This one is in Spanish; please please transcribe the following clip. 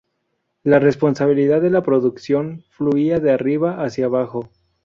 La responsabilidad de la producción fluía de arriba hacia abajo.